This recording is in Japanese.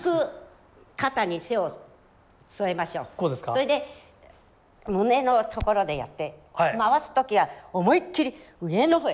それで胸のところでやって回す時は思いっきり上の方へ。